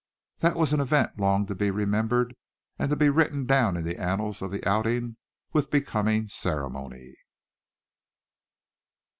That was an event long to be remembered, and to be written down in the annals of the outing with becoming ceremony.